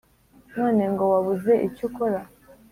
none ngo wabuze icyukora,